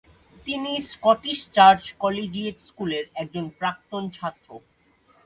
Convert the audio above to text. তিনি Scottish Church Collegiate স্কুলের একজন প্রাক্তন ছাত্র।